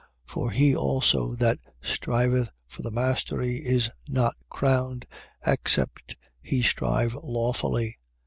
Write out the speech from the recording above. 2:5. For he also that striveth for the mastery is not crowned, except he strive lawfully.